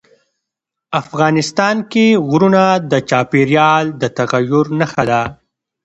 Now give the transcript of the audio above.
افغانستان کې غرونه د چاپېریال د تغیر نښه ده.